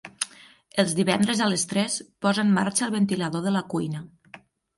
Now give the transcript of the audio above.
Els divendres a les tres posa en marxa el ventilador de la cuina.